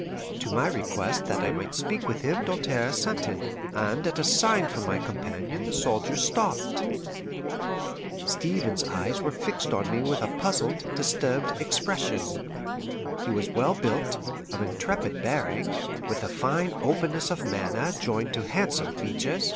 To my request that I might speak with him Doltaire assented, and at a sign from my companion the soldiers stopped. Stevens's eyes were fixed on me with a puzzled, disturbed expression. He was well built, of intrepid bearing, with a fine openness of manner joined to handsome features.